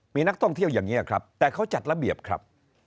มีนักท่องเที่ยวอย่างนี้ครับแต่เขาจัดระเบียบครับ